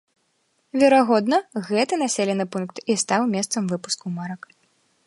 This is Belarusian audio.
Верагодна, гэты населены пункт і стаў месцам выпуску марак.